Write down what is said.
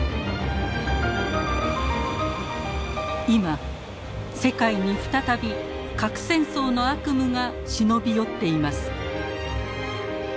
今世界に再び核戦争の悪夢が忍び寄っています。